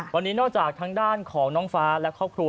วันนี้นอกจากทางด้านของน้องฟ้าและครอบครัว